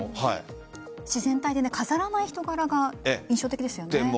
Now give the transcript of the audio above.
自然体で飾らない人柄が印象的ですよね。